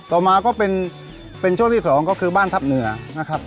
ต่อมาก็เป็นช่วงที่สองก็คือบ้านทัพเหนือนะครับ